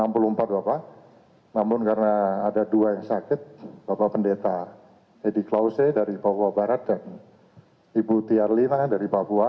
enam puluh empat bapak namun karena ada dua yang sakit bapak pendeta hedi klause dari papua barat dan ibu tiarlina dari papua